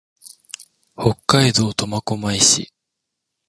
北海道苫小牧市